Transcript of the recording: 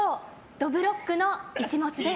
「どぶろっくの一物」です。